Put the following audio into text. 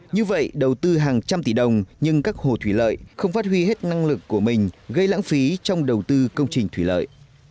như vậy đầu tư hàng trăm tỷ đồng nhưng các hồ thủy lợi không phát huy hết năng lực của mình gây lãng phí trong đầu tư công trình thủy lợi